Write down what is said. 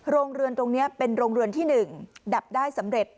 โรงเรือนตรงนี้เป็นโรงเรือนที่๑ดับได้สำเร็จ